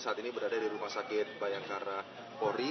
saat ini berada di rumah sakit bayangkara pori